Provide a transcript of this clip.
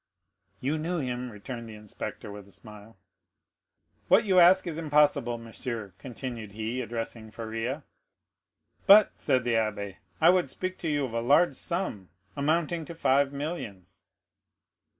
"You knew him," returned the inspector with a smile. "What you ask is impossible, monsieur," continued he, addressing Faria. 0175m "But," said the abbé, "I would speak to you of a large sum, amounting to five millions."